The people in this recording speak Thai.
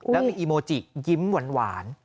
แล้วมีอีโมจิยิ้มหวาน